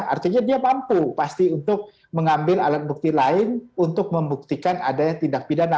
artinya dia mampu pasti untuk mengambil alat bukti lain untuk membuktikan adanya tindak pidana